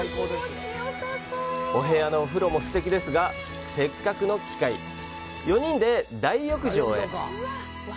お部屋のお風呂もすてきですが、せっかくの機会、４人で大浴場へ。